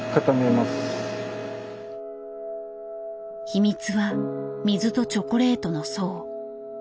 秘密は水とチョコレートの層。